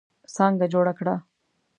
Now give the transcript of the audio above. څانګه جوړه کړه.